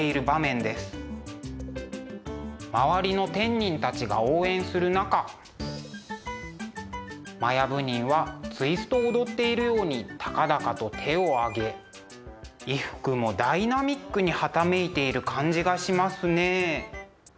周りの天人たちが応援する中摩耶夫人はツイストを踊っているように高々と手を上げ衣服もダイナミックにはためいている感じがしますね。